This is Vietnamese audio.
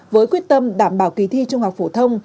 với quyết tâm đảm bảo kỳ thi trung học phổ thông